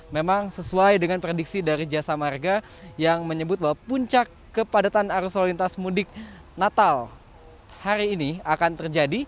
memang sesuai dengan prediksi dari jasa marga yang menyebut bahwa puncak kepadatan arus lalu lintas mudik natal hari ini akan terjadi